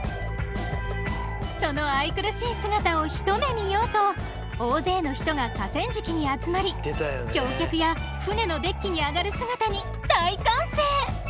その愛くるしい姿をひと目見ようと大勢の人が河川敷に集まり橋脚や船のデッキに上がる姿に大歓声！